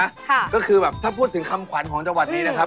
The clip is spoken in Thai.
ค่ะก็คือแบบถ้าพูดถึงคำขวัญของจังหวัดนี้นะครับ